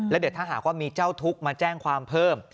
แล้วเดี๋ยวถ้าหากว่ามีเจ้าทุกข์มาแจ้งความเพิ่ม